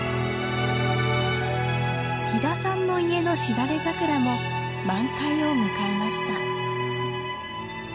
飛田さんの家のしだれ桜も満開を迎えました。